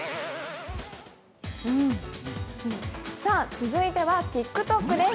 続いてはＴｉｋＴｏｋです。